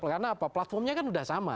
karena platformnya kan sudah sama